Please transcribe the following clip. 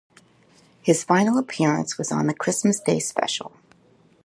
His final appearance was on the Christmas Day Special.